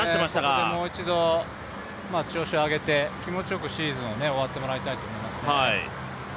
ここでもう一度調子を上げて気持ちよくシーズンを終わってほしいと思いますね。